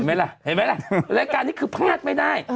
เห็นไหมล่ะรายการนี้คือพลาดไม่ได้